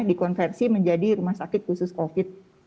dikonversi menjadi rumah sakit khusus covid